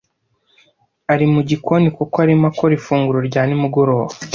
Ari mu gikoni kuko arimo akora ifunguro rya nimugoroba.